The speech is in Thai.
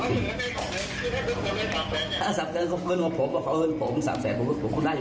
มีโทรศัพท์จากตำรวจชุดที่ไถ